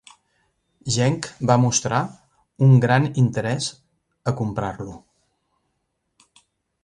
Genk va mostrar un gran interès a comprar-lo.